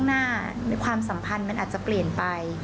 หน้าในความสัมพันธ์มันอาจจะเปลี่ยนไป